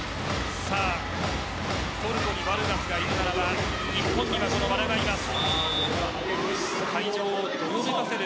トルコにバルガスがいれば日本には和田がいます。